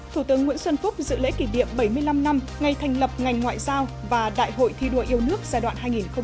thủ tướng nguyễn xuân phúc dự lễ kỷ niệm bảy mươi năm năm ngày thành lập ngành ngoại giao và đại hội thi đua yêu nước giai đoạn hai nghìn hai mươi hai nghìn hai mươi năm